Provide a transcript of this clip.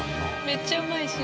めっちゃうまいし。